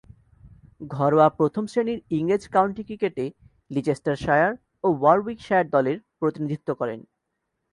ঘরোয়া প্রথম-শ্রেণীর ইংরেজ কাউন্টি ক্রিকেটে লিচেস্টারশায়ার ও ওয়ারউইকশায়ার দলের প্রতিনিধিত্ব করেন।